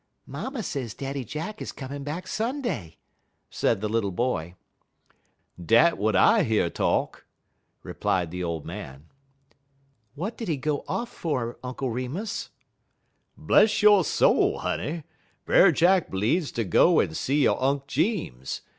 "Mamma says Daddy Jack is coming back Sunday," said the little boy. "Dat w'at I year talk," replied the old man. "What did he go off for, Uncle Remus?" "Bless yo' soul, honey! Brer Jack bleedz ter go en see yo' Unk Jeems.